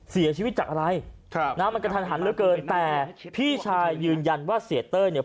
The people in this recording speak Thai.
เสียชีวิตจากอะไรครับนะมันกระทันหันเหลือเกินแต่พี่ชายยืนยันว่าเสียเต้ยเนี่ย